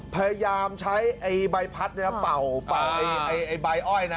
พยายามใช้ไอ้ใบพัดเนี้ยเนี้ยเเป่าเป่าไอ้ไอ้ไอ้ใบอ้อยนะ